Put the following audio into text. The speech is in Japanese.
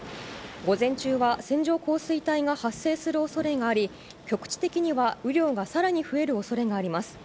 午前中は線状降水帯が発生するおそれがあり、局地的には雨量がさらに増えるおそれがあります。